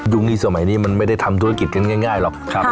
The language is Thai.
นี้สมัยนี้มันไม่ได้ทำธุรกิจกันง่ายหรอก